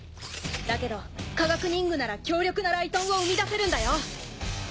だけど科学忍具なら強力な雷を生み出せるんだよ。